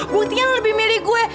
buktinya lu lebih milih gue